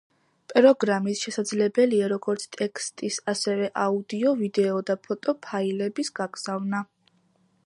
პროგრამით შესაძლებელია როგორც ტექსტის, ასევე აუდიო, ვიდეო და ფოტო ფაილების გაგზავნა.